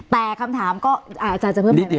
แต่คำถามก็อาจารย์จะเพิ่มเหมือนกัน